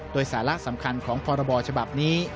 โดยสาระสำคัญของพรบฉบับนี้